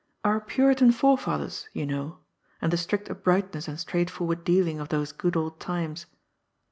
" Our Puritan forefathers," you know, and the strict uprightness and straightforward dealing of those good old times.